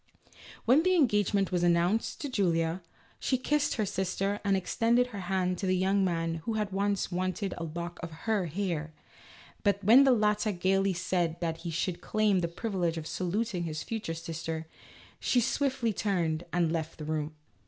When the engagement was announced to Julia, she kissed her sister, and extended her hand to the young man who had once wanted a lock of her hair, but when the latter gaily said that he should claim the privilege of saluting his future sister, she swiftly turned and left the room.